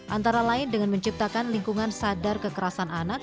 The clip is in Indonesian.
antara lain dengan menciptakan lingkungan sadar kekerasan anak